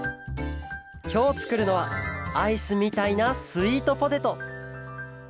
きょうつくるのはアイスみたいなスイートポテト。